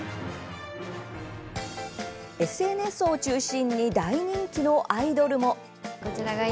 ＳＮＳを中心に大人気のアイドルも。